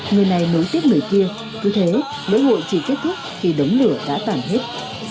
người này nối tiếp người kia cứ thế lễ hội chỉ kết thúc khi đống lửa đã tản hết